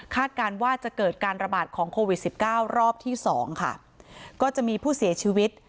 คาดการณ์ว่าจะเกิดการระบาดของโควิด๑๙รอบที่๒ค่ะก็จะมีผู้เสียชีวิต